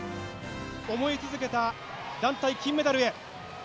思い続けた団体金メダルへ。